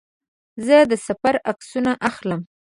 زه د سفر عکسونه اخلم.